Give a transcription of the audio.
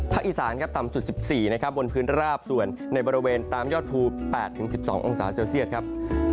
อีสานครับต่ำสุด๑๔นะครับบนพื้นราบส่วนในบริเวณตามยอดภู๘๑๒องศาเซลเซียตครับ